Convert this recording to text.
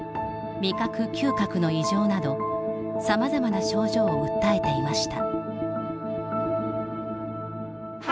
味覚嗅覚の異常などさまざまな症状を訴えていました。